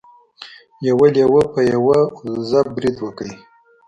یو لیوه په یوه وزه برید وکړ.